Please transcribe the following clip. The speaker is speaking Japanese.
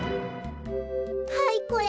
はいこれ。